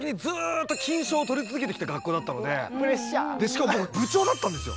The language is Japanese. しかも僕部長だったんですよ。